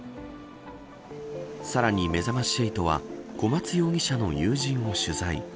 さらに、めざまし８は小松容疑者の友人を取材。